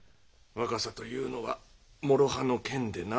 若さというのは諸刃の剣でな。